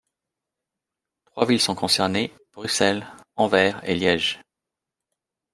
Trois villes sont concernées, Bruxelles, Anvers et Liège.